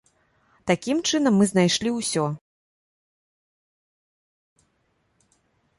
Такім чынам мы знайшлі ўсё.